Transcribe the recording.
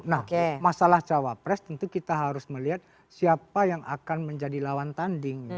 nah masalah cawapres tentu kita harus melihat siapa yang akan menjadi lawan tanding